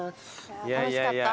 楽しかった。